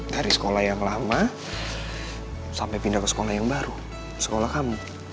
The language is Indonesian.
dari sekolah yang lama sampai pindah ke sekolah yang baru sekolah kamu